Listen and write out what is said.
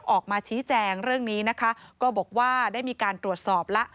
ออกมาชี้แจงเรื่องนี้นะคะก็บอกว่าได้มีการตรวจสอบแล้ว